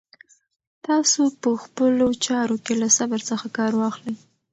تاسو په خپلو چارو کې له صبر څخه کار واخلئ.